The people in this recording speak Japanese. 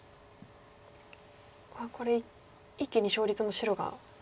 これ一気に勝率も白が。